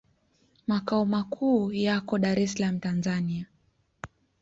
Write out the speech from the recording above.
Makao makuu yako Dar es Salaam, Tanzania.